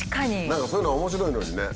何かそういうの面白いのにね。